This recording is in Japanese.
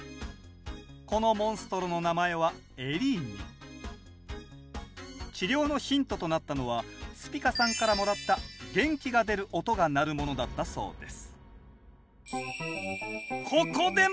このモンストロの名前は治療のヒントとなったのはスピカさんからもらった「元気が出る音」が鳴るものだったそうです